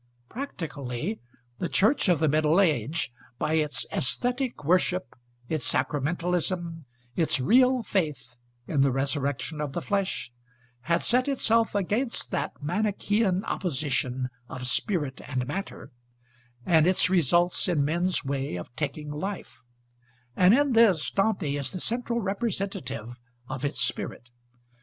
Practically, the church of the Middle Age by its aesthetic worship, its sacramentalism, its real faith in the resurrection of the flesh, had set itself against that Manichean opposition of spirit and matter, and its results in men's way of taking life; and in this, Dante is the central representative of its spirit.